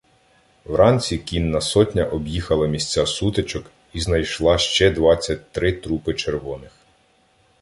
Вранці кінна сотня об'їхала місця сутичок і знайшла ще двадцять три трупи червоних.